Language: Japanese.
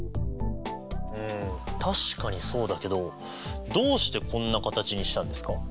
確かにそうだけどどうしてこんな形にしたんですか？